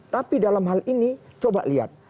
tapi dalam hal ini coba lihat